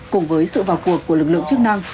cùng với sự vào cuộc của lực lượng chức năng